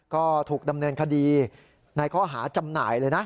ก็ถูกดำเนินคดีในข้อหาจำหน่ายเลยนะ